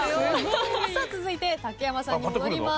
続いて竹山さんに戻ります。